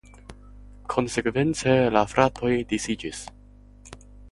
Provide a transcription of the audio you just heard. Konsekvence la fratoj disiĝis.